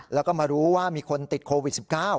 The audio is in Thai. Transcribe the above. แล้วก็มารู้ว่ามีคนติดโควิด๑๙